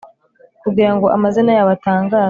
kugira ngo amazina yabo atangazwe